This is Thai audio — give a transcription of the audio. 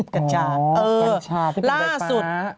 กัญชาที่เป็นไฟฟ้าอ๋อกัญชาที่เป็นไฟฟ้าล่าสุด